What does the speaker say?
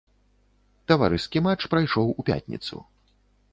Таварыскі матч прайшоў у пятніцу.